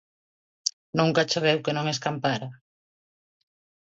Nunca choveu que non escampara.